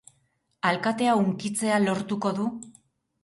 Alkatea hunkitzea lortuko du?